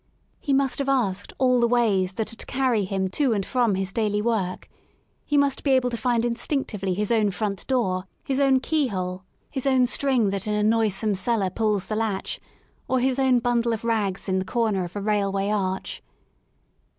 He must have asked all the ways that are to carry him to and from his daily work; he must be able to find instinctively his own front door, his own key 8 FROM A DISTANCE hole, his own string that in a noisome cellar pulls the latch, or his own bundle of rags in the corner of a rail way arch.